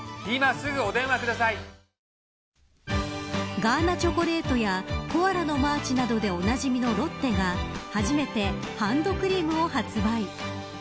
ガーナチョコレートやコアラのマーチなどでおなじみのロッテが初めて、ハンドクリームを発売。